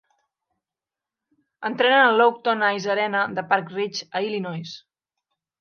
Entrenen a l'Oakton Ice Arena de Park Ridge, a Illinois.